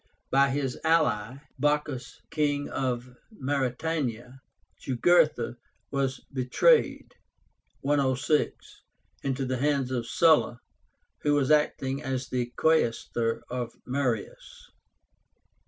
By his ally, Bocchus, King of Mauritania, Jugurtha was betrayed (106) into the hands of Sulla, who was acting as the Quaestor of Marius.